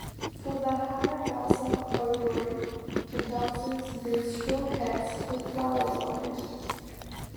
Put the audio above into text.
For the Hanagasa Odori, the dancers use straw hats with flowers on them.